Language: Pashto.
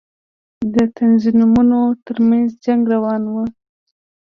د تنظيمونو تر منځ جنگ روان و.